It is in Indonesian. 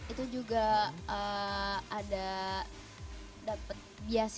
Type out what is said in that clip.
itu juga ada dapet biasiswa